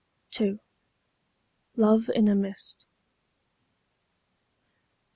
II. LOVE IN A MIST.